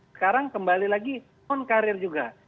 sekarang kembali lagi non karir juga